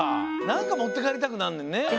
なんか持ってかえりたくなんねんね。